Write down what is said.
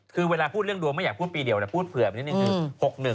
คือเวลาพูดเรื่องดวงไม่อยากพูดปีเดียวนะพูดเผื่อไปนิดนึงคือ๖๑